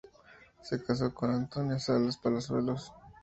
Se casó con Antonia Salas Palazuelos.